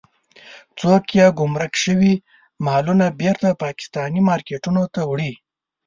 څوک يې ګمرک شوي مالونه بېرته پاکستاني مارکېټونو ته وړي.